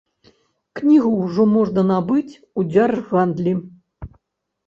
Кнігу ўжо можна набыць у дзяржгандлі.